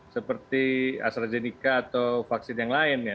seperti astrazeneca atau vaksin yang lainnya